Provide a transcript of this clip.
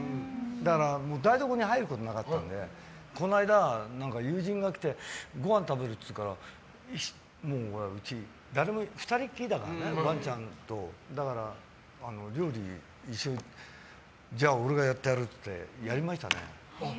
だから台所に入ることがなかったのでこの間、友人が来てごはん食べるって言うからうち、２人きりだからねだから、料理をじゃあ俺がやってやるってやりましたね。